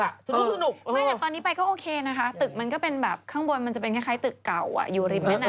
สนุกไม่แต่ตอนนี้ไปก็โอเคนะคะตึกมันก็เป็นแบบข้างบนมันจะเป็นคล้ายตึกเก่าอยู่ริมแม่น้ำ